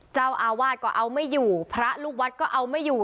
เจ้าอาวาสก็เอาไม่อยู่พระลูกวัดก็เอาไม่อยู่